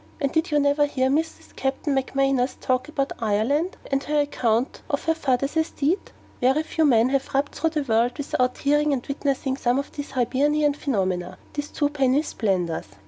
And did you never hear Mrs. Captain Macmanus talk about 'I ah land,' and her account of her 'fawther's esteet?' Very few men have rubbed through the world without hearing and witnessing some of these Hibernian phenomena these twopenny splendours.